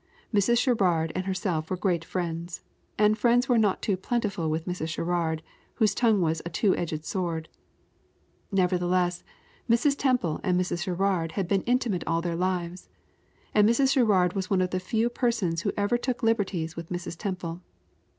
Mrs. Sherrard and herself were great friends and friends were not too plentiful with Mrs. Sherrard, whose tongue was a two edged sword. Nevertheless, Mrs. Temple and Mrs. Sherrard had been intimate all their lives, and Mrs. Sherrard was one of the few persons who ever took liberties with Mrs. Temple.